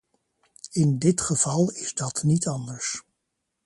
In dit geval is dat niet anders.